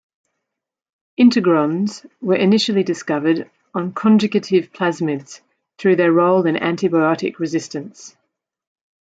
Integrons were initially discovered on conjugative plasmids through their role in antibiotic resistance.